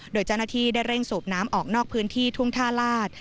โดยเจ้าหน้าที่ได้เร่งสูบน้ำออกนอกพื้นที่ทุ่งท่าลาศ